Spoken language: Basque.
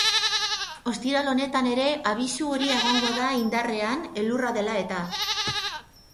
Ostiral honetan ere abisu horia egongo da indarrean, elurra dela-eta.